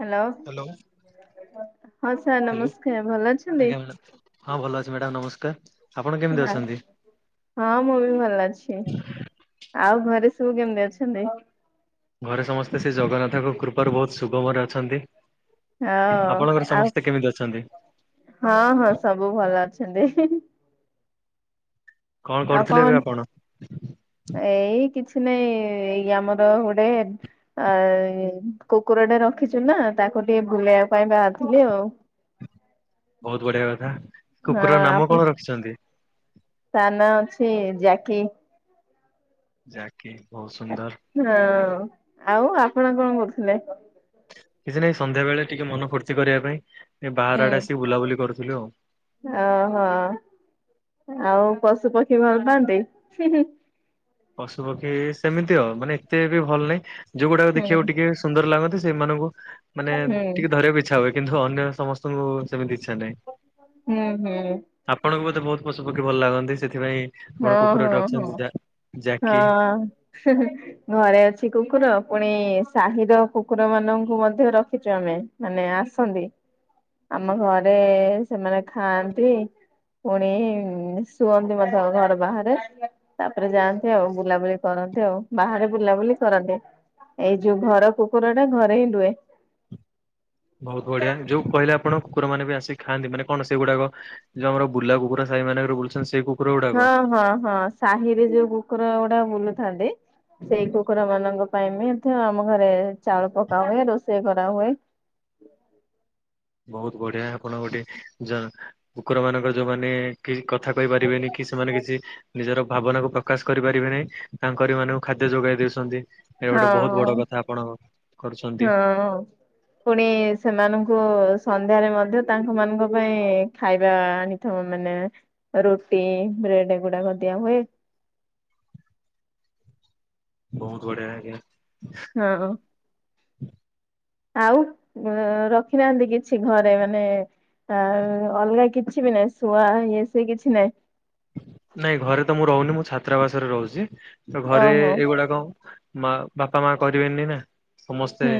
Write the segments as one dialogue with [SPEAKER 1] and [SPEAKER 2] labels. [SPEAKER 1] Hello ହଁ sir
[SPEAKER 2] hello
[SPEAKER 1] ନମସ୍କାର ଭଲ ଅଛନ୍ତି?
[SPEAKER 2] ଆଜ୍ଞା ମ୍ୟାଡ଼ାମ ହଁ ଭଲ ଅଛି ମ୍ୟାଡାମ ନମସ୍କାର। ଆପଣ କେମିତି
[SPEAKER 1] ହଁ।
[SPEAKER 2] ଅଛନ୍ତି?
[SPEAKER 1] ହଁ ମୁଁ ବି ଭଲ ଅଛି ଆଉ ଘରେ ସବୁ କେମିତି ଅଛନ୍ତି?
[SPEAKER 2] ଘରେ ସମସ୍ତେ ସେ ଜଗନ୍ନାଥଙ୍କ କୃପାରୁ ବୋହୁତ ସୁଗମରେ ଅଛନ୍ତି।
[SPEAKER 1] ହଁ
[SPEAKER 2] ଆପଣଙ୍କର
[SPEAKER 1] ଆଉ
[SPEAKER 2] ସମସ୍ତେ କେମିତି ଅଛନ୍ତି?
[SPEAKER 1] ହଁ ହଁ ସବୁ ଭଲ ଅଛନ୍ତି।
[SPEAKER 2] କଣ
[SPEAKER 1] ଆଉ
[SPEAKER 2] କରୁଥିଲେ ଏବେ ଆପଣ?
[SPEAKER 1] କଣ ଏଇ କିଛି ନାଇଁ ଏଇ ଆମର ଗୋଟେ ଆ ଏଇ କୁକୁର ଟେ ରଖିଛୁ ନା ତାକୁ ଟିକେ ବୁଲେଇବା ପାଇଁ ବାହାରିଥିଲି ଆଉ।
[SPEAKER 2] ବୋହୁତ ବଢ଼ଆ କଥା।
[SPEAKER 1] ହଁ
[SPEAKER 2] କୁକୁରର ନାମ
[SPEAKER 1] ଆପଣ
[SPEAKER 2] କଣ ରଖିଛନ୍ତି?
[SPEAKER 1] ତା ନାଁ ଅଛି ଜ୍ୟାକି।
[SPEAKER 2] ଯାକି ବୋହୁତ ସୁନ୍ଦର।
[SPEAKER 1] ହଁ ଆଉ ଆପଣ କଣ କରୁଥିଲେ?
[SPEAKER 2] କିଛି ନାଇଁ ସନ୍ଧ୍ୟା ବେଳେ ଟିକେ ମନ ଫୁର୍ତ୍ତି କରିବା ପାଇଁ ବାହାର
[SPEAKER 1] ହୁଁ
[SPEAKER 2] ଆଡେ ଆସିକି ବୁଲାବୁଲି କରୁଥିଲୁ ଆଉ।
[SPEAKER 1] ଓହୋ ଆଉ ପଶୁ ପକ୍ଷୀ ଭଲ ପାଆନ୍ତି?
[SPEAKER 2] ପଶୁପକ୍ଷୀ ସେମିତି ଆ ମାନେ ଏତେ ବି ଭଲ ନାହିଁ ଯୋଉଗୁଡାକ ଦେଖିବାକୁ
[SPEAKER 1] ହୁଁ
[SPEAKER 2] ଟିକେ ଶୁ ସୁନ୍ଦର ଲାଗନ୍ତି ସେମାନଙ୍କୁ ମାନେ
[SPEAKER 1] ହୁଁ
[SPEAKER 2] ଟିକେ ଧରିବାକୁ ଇଛା ହୁଏ କିନ୍ତୁ ଅନ୍ୟ ସମସ୍ତ ଙ୍କୁ ତୋ ସେମିତି ଇଛା ନାହିଁ।
[SPEAKER 1] ହୁଁ ହୁଁ।
[SPEAKER 2] ଆପଣଙ୍କୁ ବୋଧେ ବୋହୁତ ପଶୁ ପକ୍ଷୀ ଭଲ ଲାଗନ୍ତି ସେଥିପାଇଁ ଆପଣ କୁକୁର
[SPEAKER 1] ଓହୋ
[SPEAKER 2] ଟେ
[SPEAKER 1] ହଁ
[SPEAKER 2] ରଖିଛନ୍ତି ଯା
[SPEAKER 1] ହଁ
[SPEAKER 2] ଜାକି
[SPEAKER 1] ହଁ। ଘରେ ଅଛି କୁକୁର ପୁଣି ସାହିର କୁକୁର ମାନଙ୍କୁ ମଧ୍ୟ ରଖିଛୁ ଆମେ। ମାନେ ଆସନ୍ତି ଆମ ଘରେ ସେମାନେ ଖାଆନ୍ତି। ପୁଣି ଶୁଅନ୍ତି ମଧ୍ୟ ଘର ବାହାରେ। ତାପରେ ଯାଆନ୍ତି ଆଉ ବୁଲାବୁଲି କରନ୍ତି ଆଉ ବାହାରେ ବୁଲାବୁଲି କରନ୍ତି। ଏଇ ଯୋଉ ଘର କୁକୁର ଟା ଘରେ ହିଁ ରୁହେ।
[SPEAKER 2] ବୋହୁତ ବଢିଆ ଯୋଉ କହିଲେ ଆପଣ କୁକୁର ମାନେ ବି ଆସି ଖାଆନ୍ତି ମାନେ କଣ ସେଗୁଡାକ ଯୋଉ ଆମର ବୁଲା କୁକୁର ସାହି ମାନଙ୍କରେ ବୁଲୁଛନ୍ତି ସେଇ କୁକୁର ଗୁଡାକ
[SPEAKER 1] ହଁ ହଁ ହଁ ସାହିରେ ଯୋଉ କୁକୁର ଗୁଡା ବୁଲୁଥାନ୍ତି ସେଇ କୁକୁର ମାନଙ୍କ ପାଇଁ ବି ମଧ୍ୟ ଆମ ଘରେ ଚାଉଳ ପକା ହୁଏ ରୋଷେଇ କରାହୁଏ।
[SPEAKER 2] ବୋହୁତ ବଢିଆ ଆପଣ ଗୋଟେ ଯା କୁକୁର ମାନଙ୍କର ଯୋଉମାନେ କି କଥା କହିପାରିବେନି କି ସେମାନେ କିଛି ନିଜର ଭାବନାକୁ ପ୍ରକାଶ କରିପାରିବେ ନାହିଁ ତାଙ୍କରି ମାନଙ୍କୁ ଖାଦ୍ୟ ଯୋଗାଇ ଦେଉଛନ୍ତି। ଏଇ
[SPEAKER 1] ହଁ
[SPEAKER 2] ଗୋଟେ ବୋହୁତ ବଡ଼ କଥା ଆପଣ କରୁଛନ୍ତି।
[SPEAKER 1] ହଁ ହଁ। ପୁଣି ସେମାନଙ୍କୁ ସନ୍ଧ୍ୟାରେ ମଧ୍ୟ ତାଙ୍କ ମାନଙ୍କ ପାଇଁ ଖାଇବା ଆଣି ତମ ମାନେ ରୁଟି ବ୍ରେଡ ଏଗୁଡାକ ଦିଆ ହୁଏ।
[SPEAKER 2] ବୋହୁତୁ ବଢିଆ ଆଜ୍ଞା।
[SPEAKER 1] ହଁ। ଆଉ ରଖିନାହାନ୍ତି କିଛି ଘରେ ମାନେ ଆ ଅଲଗା କିଛି ବି ନାହିଁ ଶୁଆ ଇଏ ସେ କିଛି ନାହିଁ।
[SPEAKER 2] ନାଇଁ ଘରେ ତ ମୁଁ ରହୁନି ମୁଁ ଛାତ୍ରାବାସରେ ରହୁଛି ତ ଘରେ
[SPEAKER 1] ଓହୋ
[SPEAKER 2] ଏଇଗୁଡାକ ମା ବାପା ମା କରିବେନି ନା। ସମସ୍ତେ
[SPEAKER 1] ହୁଁ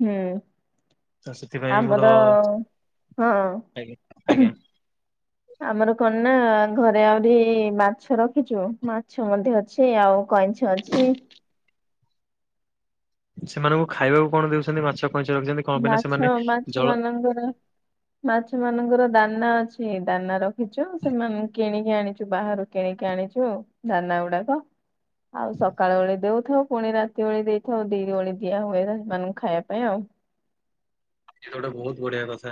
[SPEAKER 1] ହୁଁ।
[SPEAKER 2] ତ ସେଥିପାଇଁ ମୁଁ ତ
[SPEAKER 1] ଆମର ହଁ।
[SPEAKER 2] ଆଜ୍ଞା ଆଜ୍ଞା
[SPEAKER 1] ଆମର କଣ ନା ଘରେ ଆହୁରି ମାଛ ରଖିଛୁ ମାଛ ମଧ୍ୟ ଅଛି। ଅଛି ଆଉ କଇଁଛ ଅଛି।
[SPEAKER 2] ସେମାନଙ୍କୁ ଖାଇବାକୁ କଣ ଦଉଛନ୍ତି ମାଛ କଇଁଛ ରଖିଛନ୍ତି। କଣ ପାଇଁ ନା ସେମାନେ
[SPEAKER 1] ମାଛ ମାଛ
[SPEAKER 2] ଜଳ
[SPEAKER 1] ମାନଙ୍କର ମାଛ ମାନଙ୍କର ଦାନା ଅଛି ଦାନା ରଖିଚୁ ସେମାନୁଙ୍କୁ କିଣିକି ଆଣିଚୁ ବାହାରୁ। କିଣିକି ଆଣିଚୁ ଆଉ ଦାନା ଗୁଡାକ। ଆଉ ସକାଳ ବେଳେ ଦଉଥାଉ ପୁଣି ରାତି ଓଳି ଦେଇଥାଉ ଦି ଓଳି ଦିଆ ହୁଏ ସେମାନଙ୍କୁ ଖାଇବା ପାଇଁ ଆଉ।
[SPEAKER 2] ଇଏତ ଗୋଟେ ବହୁତ୍ ବଢିଆ କଥା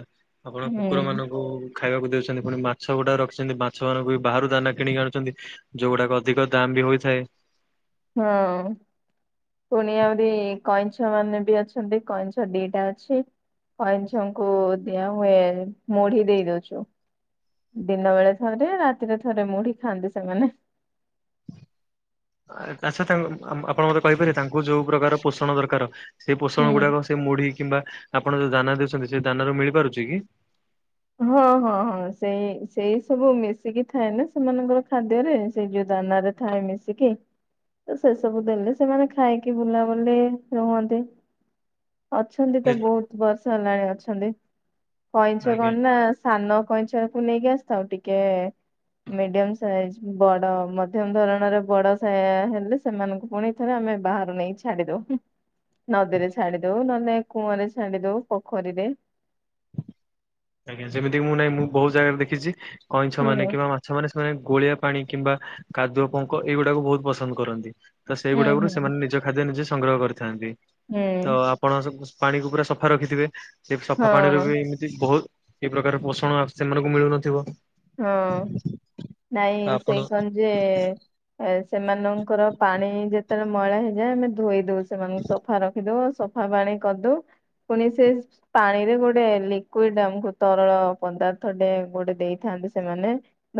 [SPEAKER 2] ଆପଣ କୁକୁର
[SPEAKER 1] ହୁଁ
[SPEAKER 2] ମାନଙ୍କୁ ଖାଇବାକୁ ଦେଉଚନ୍ତି ପୁଣି ମାଛ ଗୁଡା ରଖିଚନ୍ତି ମାଛ ମାନଙ୍କୁ ବି ବାହାରୁ ଦାନା କିଣିକି ଆଣୁଚନ୍ତି ଯଉଗୁଡାକ ଅଧିକ ଦାମ୍ ବି ହୋଇଥାଏ।
[SPEAKER 1] ହଁ। ପୁଣି ଆହୁରି କଇଁଛ ମାନେ ବି ଅଛନ୍ତି କଇଁଛ ଦିଟା ଅଛି। କଇଁଛ ଙ୍କୁ ଦିଆ ହୁଏ ମୁଢି ଦେଇ ଦଉଚୁ। ଦିନ ବେଳେ ଥରେ ରାତିରେ ଥରେ ମୁଢି ଖାଆନ୍ତି ସେମାନେ।।
[SPEAKER 2] ଆଛା ତାଙ୍କ-ଆ- ଆପଣ ମତେ କହିପାରିବେ ତାଙ୍କୁ ଯଉ ପ୍ରକାର ପୋଷଣ ଦରକାର ସେଇ ପୋଷଣ
[SPEAKER 1] ହୁଁ।
[SPEAKER 2] ଗୁଡାକ ସେ ସେ ମୁଢି କିମ୍ବା ଆପଣ ଯଉ ଦାନା ଦଉଚନ୍ତି ସେ ଦାନାରୁ ମିଳିପାରୁଚି କି?
[SPEAKER 1] ହଁ -ହଁ- ହଁ ସେଇ -ସେଇ ସବୁ ମିଶିକି ଖାଇଲେ ସେମାନଙ୍କର ଖାଦ୍ୟରେ ସେଇ ଯଉ ଦାନାରେ ଥାଏ ମିଶିକି। ତ ସେ ସବୁ ଦେଲେ ସେମାନେ ଖାଇକି ବୁଲାବୁଲି ରୁହନ୍ତି। ଅଛନ୍ତି ତ ବହୁତ ବର୍ଷ ହେଲାଣି ଅଛନ୍ତି କଇଁଛ
[SPEAKER 2] ଆଜ୍ଞା
[SPEAKER 1] କଣ୍ ନା ସାନ କଇଁଛକୁ ନେଇକି ଆସିଥାଉ ଟିକେ ମିଡିୟମ୍ ସାଇଜ୍ ବଡ ମଧ୍ୟମ ଧରଣର ବଡ ସା- ହେଲେ ସେମାନଙ୍କୁ ପୁଣି ଥରେ ଆମେ ବାହାରେ ନେଇ ଛାଡିଦଉ। ନଦୀରେ ଛାଡି ଦଉ ନହେଲେ କୂଅଁ ରେ ଛାଡି ଦଉ ପୋଖରୀରେ
[SPEAKER 2] ଆଜ୍ଞା ସେମିତି ମୁଁ ନାହିଁ ମୁଁ ବହୁତ୍ ଜାଗାରେ ଦେଖିଚି କଇଁଛ
[SPEAKER 1] ହୁଁ।
[SPEAKER 2] ମାନେ କିମ୍ବା ମା ଛ ମାନେ ସେମାନେ ଗୋଳିଆ ପାଣି କିମ୍ବା କାଦୁଅ ପଙ୍କ ଏଇଗୁଡାକୁ ବହୁତ୍ ପସନ୍ଦ୍ କରନ୍ତି। ତ
[SPEAKER 1] ହୁଁ
[SPEAKER 2] ସେଇଗୁଡ଼ାକରୁ
[SPEAKER 1] ହୁଁ
[SPEAKER 2] ସେମାନେ ନିଜ ଖାଦ୍ୟ ନିଜେ ସଂଗ୍ରହ କରିଥାନ୍ତି
[SPEAKER 1] ହୁଁ
[SPEAKER 2] ତ ଆ ଆପଣ ସ-ପାଣିକୁ ପୁରା ସଫା ରଖିଥିବେ ସେ ସଫା ପାଣିରୁ
[SPEAKER 1] ହଁ
[SPEAKER 2] ବି ଏମିତି ବହୁତ୍ ଏ ପ୍ରକାର ପୋଷଣ ଆସ୍- ସେମାନଙ୍କୁ ମିଳୁନଥିବ।
[SPEAKER 1] ହଁ- ନାଇଁ
[SPEAKER 2] ଆପଣ
[SPEAKER 1] ସେଇ କଣ୍ ଯେ ସେମାନଙ୍କର ପାଣି ଯେତେବେଳେ ମଇଳା ହେଇଯାଏ ଆମେ ଧୋଇ ଦଉ ସେମାନଙ୍କୁ ସଫା ରଖି ଦଉ ସଫା ପାଣି କରିଦଉ। ପୁଣି ସେ ପାଣିରେ ଗୋଟେ ଲିକୁଇଡି ଟେ ଆମକୁ ତରଳ ପଦାର୍ଥ ଟେ ଗୋଟେ ଦେଇ ଥାନ୍ତି ସେମାନେ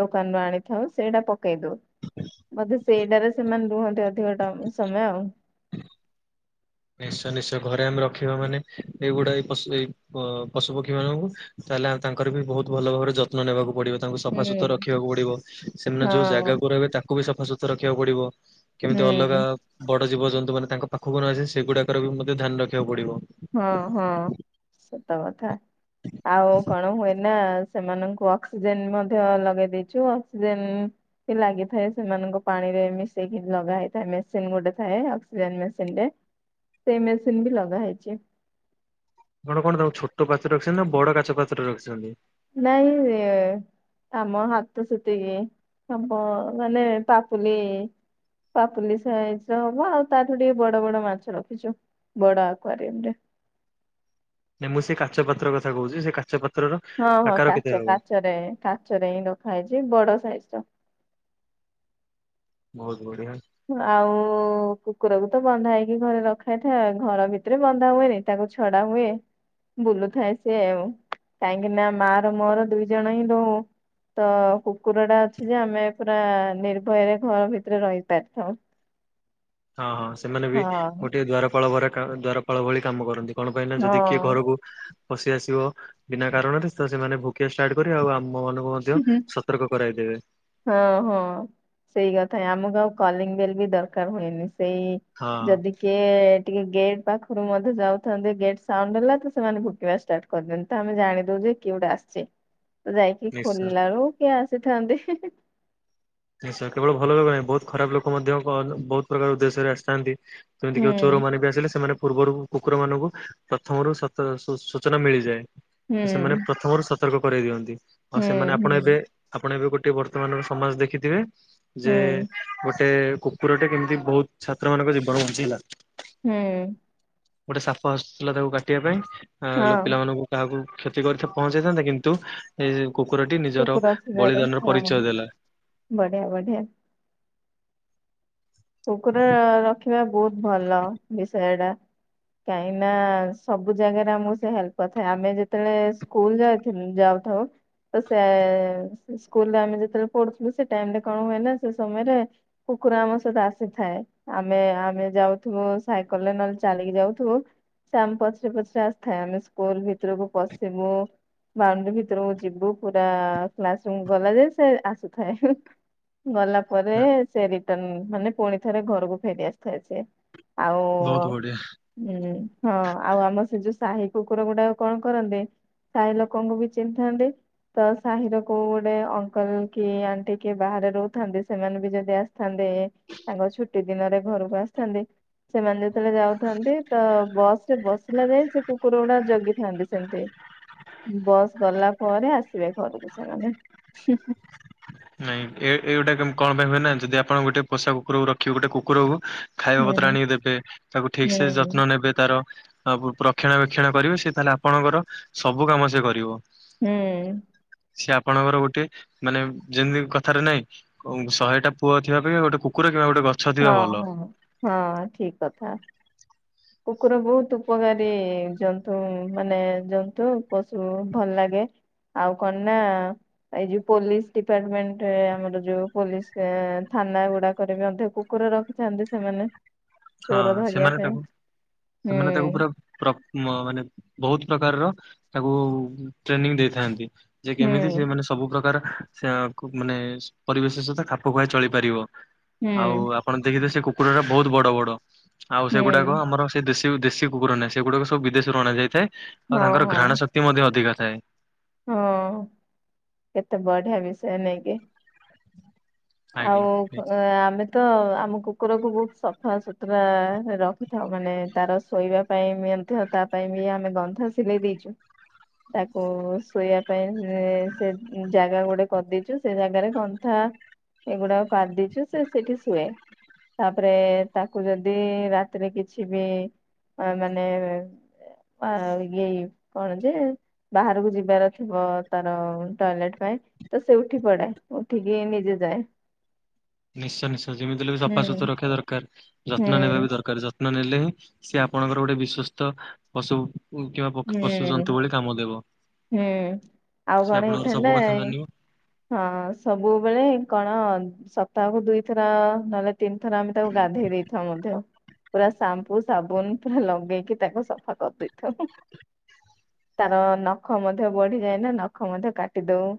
[SPEAKER 1] ଦୋକାନରୁ ଆଣିଥାଉ ସେଇଟା ପକେଇ ଦଉ ବଧେ ସେଇଟାରେ ସେମାନେ ରୁହନ୍ତି ଅଧିକ ଟା ସମୟ ଆଉ।
[SPEAKER 2] ନିଶ୍ଚୟ -ନିଶ୍ଚୟ ଘରେ ଆମେ ରଖିବା ମାନେ ଏଇଗୁଡାଏ ପଶୁ ଏଇ ପ- ପଶୁ, ପକ୍ଷୀ ମାନଙ୍କୁ ତାହେଲେ ଆଉ ତାଙ୍କର ବି ବହୁତ୍ ଭଲ ଭାବରେ ଯତ୍ନ ନେବାକୁ ପଡିବ ତାଙ୍କୁ
[SPEAKER 1] ହୁଁ
[SPEAKER 2] ସଫାସୁତର ରଖିବାକୁ ପଡିବ ସେମାନେ ଯଉ
[SPEAKER 1] ହଁ
[SPEAKER 2] ଜାଗାକୁ ରହିବେ ତାକୁ ବି ସଫାସୁତର ରଖିବାକୁ ପଡିବ କେମିତି ଅଲଗା
[SPEAKER 1] ହୁଁ
[SPEAKER 2] ବଡ ଜୀବଜନ୍ତୁ ମାନେ ତାଙ୍କ ପାଖକୁ ନଯାଏ ସେଗୁଡାକର ବି ମଧ୍ୟ ଧ୍ୟାନ ରଖିବାକୁ ପଡିବ।
[SPEAKER 1] ହଁ- ହଁ ସତ କଥା ଆଉ କଣ ହୁଏନ୍ ନା ସେମାନଙ୍କୁ ଅକ୍ସିଜେନ୍ ମଧ୍ୟ ଲଗେଇ ଦେଇଚୁ ଅକ୍ସିଜେନ୍ ଲାଗିଥାଏ ସେମାନଙ୍କୁ ପାଣି ରେ ମିଶେଇକି ଲଗା ହେଇଥାଏ ମେସିନ୍ ଗୋଟେ ଥାଏ ଅକ୍ସିଜେନ୍ ମେସିନ୍ ଟେ। ସେଇ ମେସିନ୍ ବି ଲଗା ହେଇଚି।
[SPEAKER 2] ଆପଣ କଣ ତାଙ୍କୁ ଛୋଟ ପାତ୍ରରେ ରଖିଚନ୍ତି ନା ବଡ କାଚ ପାତ୍ରରେ ରଖିଚନ୍ତି?
[SPEAKER 1] ନାଇଁ ଆମ ହାତ ସେତିକି ହବ ମାନେ ପାପୁଲି ପାପୁଲି ସାଇଜ୍ ର ହବ ଆଉ ତାଠୁ ଟିକେ ବଡବଡ ମାଛ ରଖିଚୁ। ବଡ ଆକ୍ଵାରିମ୍ ରେ।
[SPEAKER 2] ନାଇଁ ମୁଁ ସେ କାଚ ପାତ୍ର କଥା କହୁଚି ସେ କାଚ ପା
[SPEAKER 1] ହଁ ହଁ କାଚ କାଚରେ କାଚରେ ହିଁ ରଖା ହେଇଛି ବଡ ସାଇଜର।
[SPEAKER 2] ବହୁତ ବଢିଆ।
[SPEAKER 1] ଆଉ କୁକୁରକୁ ତ ବନ୍ଧା ହେଇକି ଘରେ ରଖା ହେଇଥାଏ, ଘର ଭିତରେ ବନ୍ଧା ହୁଏନି। ତାକୁ ଛଡା ହୁଏ। ବୁଲୁଥାଏ ସିଏ ଆଉ, କାହିଁକ ନା ମା ର ମୋର ଦୁଇ ଜଣ ହିଁ ରହୁ। ତ କୁକୁର ଟା ଅଛି ଯେ ଆମେ ପୁରା ନିର୍ଭୟରେ ଘର ଭିତରେ ରହି ପାରିଥାଉ।
[SPEAKER 2] ହଁ ହଁ ସେମାନେ ବି
[SPEAKER 1] ହଁ
[SPEAKER 2] ଗୋଟିଏ ଦ୍ୱାରପାଳ ଘରେ କାହାର ଦ୍ୱାରପାଳ ଭଳି କାମ କରନ୍ତି କଣ ପାଇଁ ନା
[SPEAKER 1] ହଁ
[SPEAKER 2] ଯଦି କିଏ ଘରକୁ। ପଶି ଆସିବ ବିନା କାରଣରେ ତ ସେମାନେ ଭୁକ୍ ଭୁକିବା ଷ୍ଟାଟ୍ କରିବେ, ଆଉ ଆମ ମାନକୁ ମଧ୍ୟ
[SPEAKER 1] ହୁଁ,
[SPEAKER 2] ସତର୍କ କରାଇଦେବେ।
[SPEAKER 1] ହଁ ହଁ ସେଇ କଥା ଆମକୁ ଆଉ କଲିଙ୍ଗ ବେଲ ବି ଦରକାର ହୁଏନି, ସେଇ
[SPEAKER 2] ହଁ
[SPEAKER 1] ଯଦି କିଏ ଟିକିଏ ଗେଟ୍ ପାଖରୁ ମଧ୍ୟ ଯାଉଥାନ୍ତି ଗେଟ୍ ସାଉଣ୍ଡ ହେଲା ତ ସେମାନେ ଭୁକିବା ଷ୍ଟାଟ କରିଦିଅନ୍ତି ତ ଆମେ ଜାଣିଦଉ ଯେ କିଏ ଗୋଟେ ଆସିଛି, ତ ଯାଇ
[SPEAKER 2] ନିଶ୍ଚୟ
[SPEAKER 1] ଖୋଲିଲାରୁ କିଏ ଆସିଥାନ୍ତି।
[SPEAKER 2] ନିଶ୍ଚୟ କେବଳ ଭଲ ନୁହେଁ ବହୁତ ଖରାପ ଲୋକ ମଧ୍ୟ ବହୁତ ପ୍ରକାର ଉଦ୍ଦେଶ୍ୟରେ ଆସିଥାନ୍ତି। ଯେମିତି
[SPEAKER 1] ହୁଁ
[SPEAKER 2] କି ଚୋରମାନେ ବି ଆସିଲେ ସେମାନେ। ପୂର୍ବରୁ କୁକୁର ମାନଙ୍କୁ ପ୍ରଥମରୁ ସ ତ ସୂଚନା
[SPEAKER 1] ହୁଁ
[SPEAKER 2] ମିଳିଯାଏ ସେମାନେ ପ୍ରଥମରୁ ସ ସତର୍କ କରେଇ ଦିଅନ୍ତି ଆଉ
[SPEAKER 1] ହୁଁ
[SPEAKER 2] ସେମାନେ ଆପଣ
[SPEAKER 1] ହୁଁ
[SPEAKER 2] ଏବେ ଆପଣ ଏବେ ଗୋଟେ ବର୍ତ୍ତମାନର ସମାଜ ଦେଖିଥିବେ। ଯେ
[SPEAKER 1] ହୁଁ
[SPEAKER 2] ଗୋଟେ କୁକୁରଟେ କେମିତି ବହୁତ ଛାତ୍ର ମାନଙ୍କ ଜୀବନ ବଞ୍ଚେଇଲା।
[SPEAKER 1] ହୁଁ।
[SPEAKER 2] ଗୋଟେ ସାଫ ଆସିଥୁଲା ତାକୁ କାଟିବା ପାଇଁ ଆଁ ଲୋକ
[SPEAKER 1] ହଁ
[SPEAKER 2] ପିଲା ମାନଙ୍କୁ। କାହାକୁ କ୍ଷତି କରି ପହଞ୍ଚେଇଥାନ୍ତା କିନ୍ତୁ ଏ କୁକୁରଟି ନିଜର
[SPEAKER 1] କୁକୁର ଥିବାରୁ
[SPEAKER 2] ବଳିଦାନର
[SPEAKER 1] ହଁ
[SPEAKER 2] ପରିଚୟ ଦେଲା।
[SPEAKER 1] ବଢିଆ ବଢ଼ିଆ। କୁକୁର ରଖିବା ବହୁତ ଭଲ ବିଷୟ ଟା। କାହିଁକି ନା ସବୁ ଜାଗାରେ ଆମକୁ ସେ ହେଲ୍ପ କରିଥାଏ ଆମେ ଯେତେବେଳେ ସ୍କୁଲ ଯାଉ ଯାଉଥାଉ। ତ ସେ ସ୍କୁଲରେ ଆମେ ଯେତେବେଳେ ପଢୁଥୁଲୁ ସେ ଟାଇମରେ କଣ ହୁଏ ନା ସେ ସମୟରେ। କୁକୁର ଆମ ସହିତ ଆ ସେଥାଏ ଆମେ ଆମେ ଯାଉଥୁବୁ ସାଇକେଲରେ ନହେଲେ ଚାଲିକି ଯାଉଥୁବୁ। ସେ ଆମ ପଛରେ ପଛରେ ଆସିଥାଏ ଆମେ ସ୍କୁଲ ଭିତରକୁ ପଶିବୁ। ବାଉଣ୍ଡ୍ରି ଭିତରକୁ ଯିବୁ ପୁରା କ୍ଲାସ ରୁମ୍ ଗଲାଯାଏ ସେ ଆସୁଥାଏ। ଗଲା ପରେ ସେ ରିଟର୍ଣ ମାନେ ପୁଣି ଥରେ ଘରକୁ ଫେରି ଆସିଥାଏ ସେ। ଆଉ।
[SPEAKER 2] ବହୁତ ବଢିଆ।
[SPEAKER 1] ହୁଁ ହଁ ଆଉ ଆମର ସେ ଯୋଉ ସାହି କୁକୁର ଗୁଡାକ କଣ କରନ୍ତି। ସାହି ଲୋକଙ୍କୁ ବି ଚିହିଁ ଥାନ୍ତି। ତ ସାହିର କୋଉ ଗୋଟେ ଅଙ୍କଲ କି ଆଣ୍ଟି କିଏ ବାହାରେ ରହୁଥାନ୍ତି ସେମାନେ ବି ଯଦି ଆସିଥାନ୍ତେ। ତାଙ୍କ ଛୁଟି ଦିନରେ ଘରକୁ ଆସିଥାନ୍ତି ସେମାନେ ଯେତେବେଳେ ଯାଉଥାନ୍ତି ତ ବସ୍ ସେ ବସିଲା ଯାଏଁ ସେ କୁକୁର ଗୁଡା ଜଗିଥାନ୍ତି ସେମିତି। ବସ୍ ଗଲା ପରେ ଆସିବେ ଘରକୁ ସେମାନେ।
[SPEAKER 2] ନାଇଁ ଏ [unintelligible] କଣ ପାଇଁ ହୁଏ ନା ଯଦି ଆପଣ ଗୋଟେ ପୋଷା କୁକୁରକୁ ରଖିବେ ଗୋଟେ କୁକୁରକୁ। ଖାଇବା
[SPEAKER 1] ହୁଁ
[SPEAKER 2] ପତ୍ର ଆଣିକ ଦେବେ ତାକୁ ଠିକ୍
[SPEAKER 1] ହୁଁ
[SPEAKER 2] ସେ ଯତ୍ନ ନେବେ ତାର। [unintelligible] ରକ୍ଷଣାବେକ୍ଷଣ କରିବେ ସେ ତାହେଲେ ଆପଣଙ୍କର ସବୁ କାମ ସେ କରିବ।
[SPEAKER 1] ହୁଁ।
[SPEAKER 2] ସେ ଆପଣଙ୍କର ଗୋଟେ ମାନେ। ଯେମ୍ତି କଥାରେ ନାହିଁ ଶହେଟା ପୁଅ ଥିବା ଅପେକ୍ଷା ଗୋଟେ କୁକୁର କିମ୍ବା ଗୋଟେ ଗ
[SPEAKER 1] ହଁ-ହଁ-ହଁ ଠିକ୍ କଥା। କୁକୁର ବହୁତ୍ ଉପକାରୀ ଜନ୍ତୁ ମାନେ ଜନ୍ତୁ ପଶୁ ଭଲ୍ ଲାଗେ। ଆଉ କଣ ନା ଏଇ ଯୋଉ ପୋଲିସ୍ ଡିପାର୍ଟମେଣ୍ଟରେ ଆମର ଯୋଉ ପୋଲିସ୍ ଏ ଥାନା ଗୁଡାକରେ ବି ମଧ୍ୟ କୁ କୁର ରଖିଥାନ୍ତି ସେମାନେ
[SPEAKER 2] ହଁ
[SPEAKER 1] ଚୋର ଧରିବା
[SPEAKER 2] ସେମାନେ
[SPEAKER 1] ପାଇଁ।
[SPEAKER 2] ତାକୁ ସେମାନେ ତାକୁ
[SPEAKER 1] ହୁଁ
[SPEAKER 2] ପୁରା ପ୍ର ମାନେ ବହୁତ୍ ପ୍ରକାରର ତାକୁ ଟ୍ରେନିଂ ଦେଇଥାନ୍ତି। ଯେ କେମିତି ସେ
[SPEAKER 1] ହୁଁ
[SPEAKER 2] ମାନେ ସବୁ ପ୍ରକାର ସେ ମାନେ ପରିବେଶ ସହିତ ଖାପ ଖୁଆଇ ଚଳିପାରିବ।
[SPEAKER 1] ହୁଁ
[SPEAKER 2] ଆଉ ଆପଣ ଦେଖିଥିବେ ସେ କୁକୁରା ଗୁରା ବହୁତ୍ ବଡ-ବଡ ଆଉ
[SPEAKER 1] ହୁଁ
[SPEAKER 2] ସେଗୁଡାକ ଆମର ସେ ଦେଶୀ-ଦେଶୀ କୁକୁର ନାହିଁ ସେଗୁଡା ସବୁ ବିଦେଶରୁ ଅଣାଯାଇଥାଏ, ଆଉ
[SPEAKER 1] ହଁ
[SPEAKER 2] ତାଙ୍କର
[SPEAKER 1] ହଁ
[SPEAKER 2] ଘ୍ରାଣ ଶକ୍ତି ମଧ୍ୟ ଅଧିକ ଥାଏ।
[SPEAKER 1] ହଁ କେତେ ବଢିଆ ବିଷୟ ନେଇକି ଆଉ
[SPEAKER 2] ଆଜ୍ଞା
[SPEAKER 1] ଆମେ ତ ଆମ କୁକୁରକୁ ବହୁତ୍ ସଫା ସୁତୁରା ର ଖିଥାଉ ମାନେ ତାର ଶୋଇବା ପାଇଁ ମଧ୍ଯ ତା ପାଇଁ ବି ଆମେ କନ୍ଥା ସିଲେଇ ଦେଇଚୁ, ତାକୁ ଶୋଇବା ପାଇଁ ସେ-ସେ ଜାଗା ଗୋଟେ କରିଦେଇଚୁ, ସେ ଜାଗାରେ କନ୍ଥା ଏଗୁଡାକ ପାରି ଦେଇଚୁ, ସେ ସେଠି ଶୁଏ। ତାପରେ ତାକୁ ଯଦି ରାତିରେ କିଛି ବି ଅ ମାନେ ପା ଏଇ [unintelligible] ଯେ ବାହାରକୁ ଯିବାର ଥିବ ତାର ଟଏଲେଟ୍ ପାଇଁ ତ ସେ ଉଠିପଡ଼େ, ଉଠିକି ନିଜେ ଯାଏ।
[SPEAKER 2] ନିଶ୍ଚୟ-ନିଶ୍ଚୟ ଯେମିତି ହେଲେ ବି ସଫା
[SPEAKER 1] ହୁଁ
[SPEAKER 2] ସୁୁତୁରା ରଖିବା ଦରକାର୍, ଯତ୍ନ ନେବା
[SPEAKER 1] ହୁଁ
[SPEAKER 2] ବି ଦରକାର୍। [unintelligible] ନେଲେ ହିଁ ସିଏ ଆପଣଙ୍କର ଗୋଟେ ବିଶ୍ୱସ୍ତ ପଶୁ।
[SPEAKER 1] ହୁଁ
[SPEAKER 2] କିମ୍ବା ପଶୁଜନ୍ତୁ ଭଳି କାମ ଦେବ।
[SPEAKER 1] ହୁଁ ଆଉ
[SPEAKER 2] ସେ
[SPEAKER 1] କଣ
[SPEAKER 2] ଆପଣଙ୍କର ସବୁ
[SPEAKER 1] ହେଇଥାନ୍ତା
[SPEAKER 2] କଥା
[SPEAKER 1] ଏ
[SPEAKER 2] ମାନିବ
[SPEAKER 1] ହଁ ସବୁବେଳେ କଣ ସପ୍ତାହକୁ ଦୁଇଥର ନହଲେ ତିନି ଥର ଆମେ ତାକୁ ଗାଧେଇ ଦେଇଥାଉ ମଧ୍ୟ। ପୁରା ସାମ୍ପୁ ସାବୁନ୍ ପୁରା ଲଗେଇକି ତାକୁ ସଫା କରିଦେଇଥାଉ ହୁଁ। ତାର ନଖ ମଧ୍ୟ ବଢିଯାଏ ନା, ନଖ ମଧ୍ୟ କାଟି ଦଉ।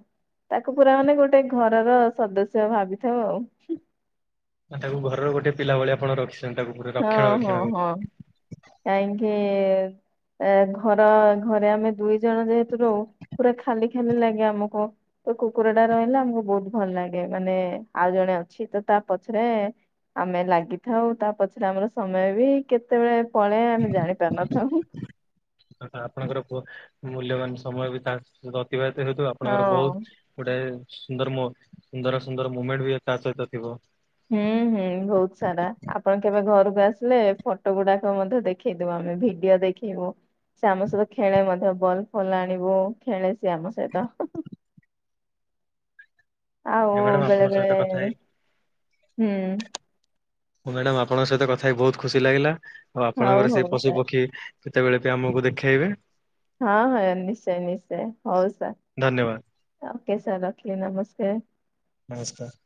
[SPEAKER 1] ତାକୁ ପୁରା ମାନେ ଗୋଟେ ଘରର ସଦସ୍ୟ ଭାବିଥାଉ ଆଉ।
[SPEAKER 2] ମାନେ ତାକୁ ଘରର ଗୋଟେ ପିଲା ଭଳି ଆପଣ ରଖିଚନ୍ତି ତାକୁ ପୁରା ରକ୍ଷଣା
[SPEAKER 1] ଆଉ ହଁ
[SPEAKER 2] ବକ୍ଷଣ
[SPEAKER 1] ହଁ
[SPEAKER 2] କରି।
[SPEAKER 1] ହଁ। [unintelligible] ଏ ଘର ଘରେ ଆମେ ଦୁଇ ଜଣ ଯେହେତୁ ରହୁ ପୁରା ଖାଲି-ଖାଲି ଲାଗେ ଆମକୁ। ତ କୁକୁର ଟା ରହିଲେ ଆମକୁ ବହୁତ୍ ଭଲ୍ ଲାଗେ, ମାନେ ଆଉ ଜଣେ ଅଛି ତ ତା ପଛରେ ଆମେ ଲାଗିଥାଉ ତା ପଛରେ ଆମର ସମୟ ବି କେତେବେଳେ ପଳାଏ ଆମେ ଜାଣି ପାରିନଥାଉ ହୁଁ।
[SPEAKER 2] ଆପଣଙ୍କର ମୂଲ୍ୟବାନ୍ ସମୟ ବି ତା [unintelligible] ଅତିବାହିତ ହେଉଥିବ ଆପଣଙ୍କର
[SPEAKER 1] ହଁ
[SPEAKER 2] ବହୁତ୍ ଗୋଟାଏ ସୁନ୍ଦର ମୋ ସୁନ୍ଦର-ସୁନ୍ଦର ମୁମେଣ୍ଟ ବି ତା ସହିତ ଥିବ?
[SPEAKER 1] ହୁଁ-ହୁଁ ବହୁତ୍ ସାରା ଆପଣ କେବେ ଘରକୁ ଆସିଲେ ଫଟୋ ଗୁଡାକ ମଧ୍ୟ ଦେ ଖେଇଦବୁ ଆମେ ଭିଡିଓ ଦେଖେଇବୁ। ସେ ଆମ ସହିତ ଖେଳେ ମଧ୍ୟ, ବଲ୍ ଫଲ୍ ଆଣିବୁ ଖେଳେ ସିଏ ଆମ ସହିତ। ଆଉ
[SPEAKER 2] ମ୍ୟାଡାମ ଆପଣଙ୍କ ସହିତ କଥା ହେଇ
[SPEAKER 1] ବେଳେବେଳେ ହୁଁ।
[SPEAKER 2] ହଉ ମ୍ୟାଡମ୍ ଆପଣଙ୍କ ସହିତ କଥା ହଇକି ବହୁତ୍ ଖୁସି ଲାଗିଲା, ଆଉ
[SPEAKER 1] ହଉ
[SPEAKER 2] ଆପଣଙ୍କର
[SPEAKER 1] ହଉ
[SPEAKER 2] ସେଇ ପଶୁ
[SPEAKER 1] ସାର୍
[SPEAKER 2] ପକ୍ଷୀ କେତେବେଳେ ବି ଆମକୁ ଦେଖେଇବେ।
[SPEAKER 1] ହଁ-ହଁ ନିଶ୍ଚୟ-ନିଶ୍ଚୟ, ହଉ
[SPEAKER 2] ଧନ୍ୟବାଦ
[SPEAKER 1] ସାର୍। ଓକେ ସାର୍ ରଖିଲି ନମସ୍କାର।
[SPEAKER 2] ନମସ୍କାର।